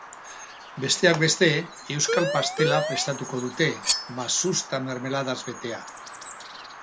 Besteak beste, euskal pastela prestatuko dute, masusta mermeladaz betea.